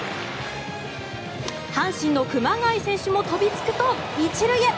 阪神の熊谷選手も飛びつくと１塁へ。